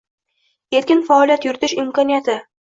erkin faoliyat yuritish imkoniyati